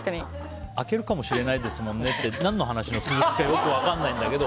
開けるかもしれないですもんねって何の話の続きかよく分からないんだけど。